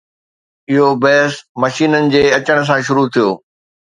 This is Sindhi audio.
اهو بحث مشينن جي اچڻ سان شروع ٿيو.